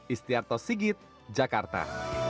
istiarto sigit jakarta